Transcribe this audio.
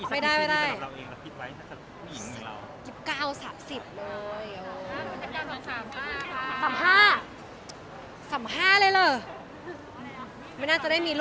ไม่ได้